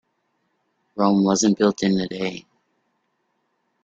Rome wasn't built in a day.